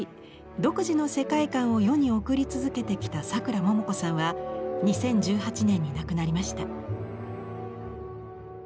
独自の世界観を世に送り続けてきたさくらももこさんは２０１８年に亡くなりました。